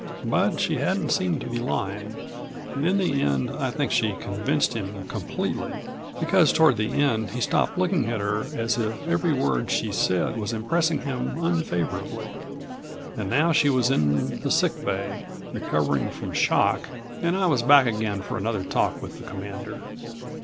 But she hadn't seemed to be lying, and in the end I think she convinced him completely, because toward the end he stopped looking at her as if every word she said was impressing him unfavorably. And now she was in the sick bay, recovering from shock, and I was back again for another talk with the Commander.